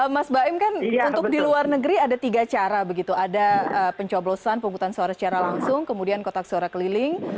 mas baim kan untuk di luar negeri ada tiga cara begitu ada pencoblosan penghutang suara secara langsung kemudian kotak suara keliling